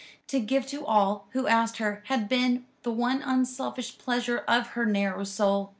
To give to all who asked her had been the one unselfish pleasure of her narrow soul.